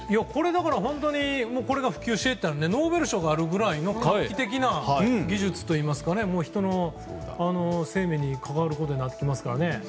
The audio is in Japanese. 本当にこれが普及していったらノーベル賞になるぐらいの画期的な技術といいますか人の生命に関わることになってきますからね。